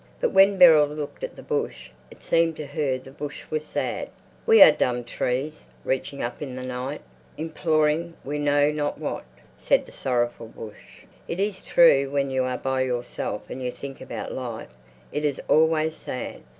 But when Beryl looked at the bush, it seemed to her the bush was sad. "We are dumb trees, reaching up in the night, imploring we know not what," said the sorrowful bush. It is true when you are by yourself and you think about life, it is always sad.